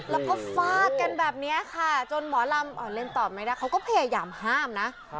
แล้วก็ฟาดกันแบบนี้ค่ะจนหมอลำเล่นตอบไม่ได้เขาก็พยายามห้ามนะ